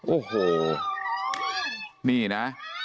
โอ้โหนี่นะ